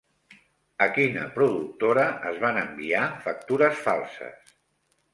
A quina productora es van enviar factures falses?